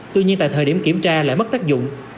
tuy nhiên tại thời điểm kiểm tra lại mất tác dụng